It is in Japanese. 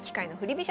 飛車